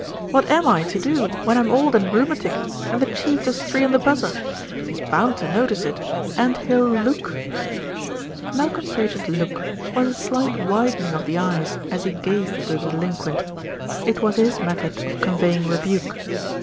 What am I to do when I'm old and rheumaticky and the Chief does three on the buzzer? He's bound to notice it and he'll look." Malcolm Sage's "look" was a slight widening of the eyes as he gazed at a delinquent. It was his method of conveying rebuke.